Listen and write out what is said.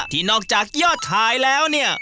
ที่นอกจากยอดขายแล้วเนี่ย